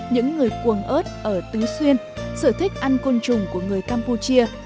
những người cuồng ớt ở tứ xuyên sở thích ăn côn trùng của người campuchia